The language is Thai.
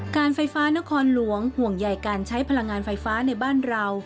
การไฟฟ้านครหลวงห่วงใหญ่การใช้พลังงานไฟฟ้าในบ้านเรา